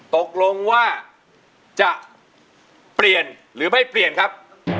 ตกลงว่าจะเปลี่ยนหรือไม่เปลี่ยนครับ